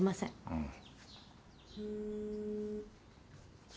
うん。